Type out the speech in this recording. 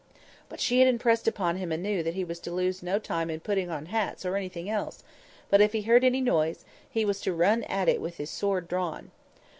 But she had impressed upon him anew that he was to lose no time in putting on hats or anything else; but, if he heard any noise, he was to run at it with his drawn sword.